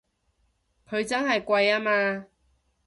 佢真係貴吖嘛！